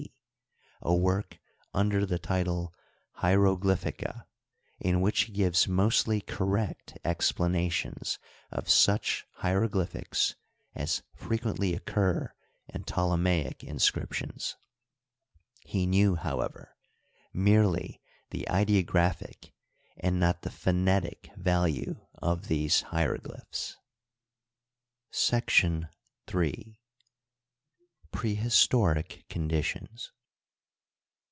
D., a work under the title *'Hieroglypkica," in which he g^ves mostly correct explanations of such hieroglyphics as frequently occur in Ptolemaic inscriptions. He knew, however, merely the ideographic and not the phonetic value of these hieroglyphs. y Google INTRODUCTORY. ai § 3. Prehistoric Conditions.